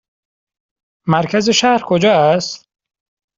مرکز شهر کجا است؟